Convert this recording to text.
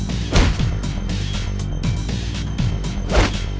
akhirnya saya mau menemani pastri